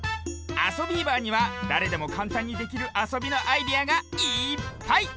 「あそビーバー」にはだれでもかんたんにできるあそびのアイデアがいっぱい！